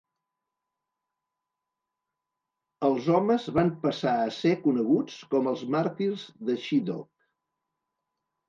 Els homes van passar a ser coneguts com els màrtirs de Chideock.